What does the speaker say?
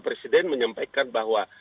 presiden menyampaikan bahwa